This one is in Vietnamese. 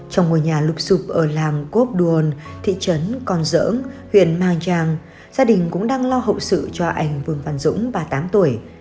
trong ngôi nhà lụp sụp ở làng cốp đùa thị trấn con dỡng huyện mang tràng gia đình cũng đang lo hậu sự cho anh vương văn dũng ba mươi tám tuổi